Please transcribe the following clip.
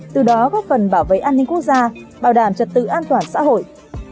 từ đó góp phần bảo vệ an ninh quốc gia bảo đảm trật tự an toàn xã hội